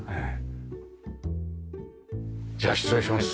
じゃあ失礼します。